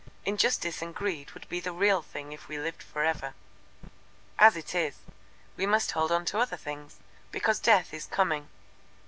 Injustice and greed would be the real thing if we lived for ever. As it is, we must hold to other things, because Death is coming.